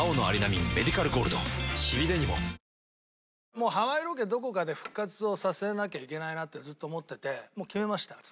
もうハワイロケどこかで復活をさせなきゃいけないなってずっと思っててもう決めました。